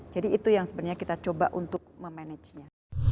jadi itu yang sebenarnya kita coba untuk memanagenya